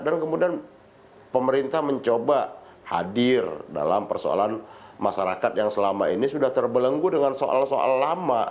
dan kemudian pemerintah mencoba hadir dalam persoalan masyarakat yang selama ini sudah terbelenggu dengan soal soal lama